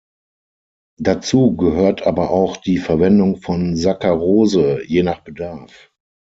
Dazu gehört aber auch die Verwendung von Saccharose je nach Bedarf.